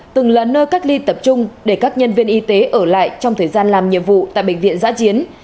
từng là nơi cách ly tập trung để các nhân viên y tế ở lại trong thời gian làm nhiệm vụ tại bệnh viện giã chiến